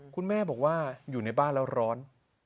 คุณแม่บอกว่าอยู่ในบ้านแล้วร้อน